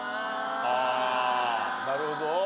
あなるほど。